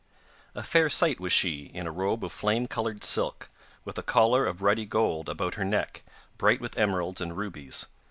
A fair sight was she in a robe of flame coloured silk, with a collar of ruddy gold about her neck, bright with emeralds and rubies.